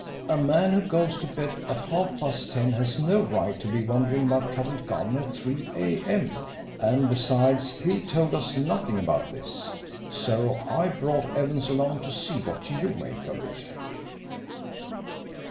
A man who goes to bed at half past ten has no right to be wandering about Covent Garden at 3 a. m. And besides, Hill told us nothing about this. So I brought Evans along to see what you make of it."